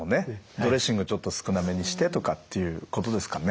ドレッシングちょっと少なめにしてとかっていうことですかね。